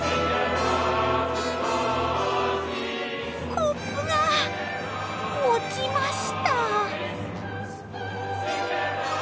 コップが落ちました。